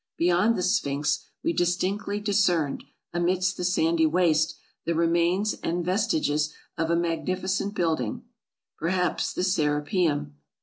Beyond the Sphinx we distinctly discerned, amidst the sandy waste, the remains and vestiges of a magnificent building, perhaps the Serapeum.